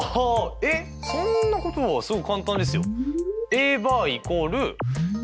えっそんなことはすごい簡単ですよ。